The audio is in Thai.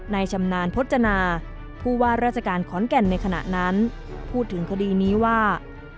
ชำนาญพจนาผู้ว่าราชการขอนแก่นในขณะนั้นพูดถึงคดีนี้ว่า